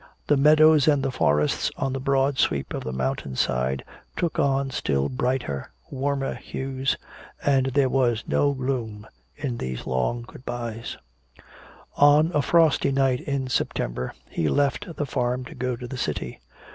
The meadows and the forests on the broad sweep of the mountain side took on still brighter, warmer hues. And there was no gloom in these long good byes. On a frosty night in September, he left the farm to go to the city.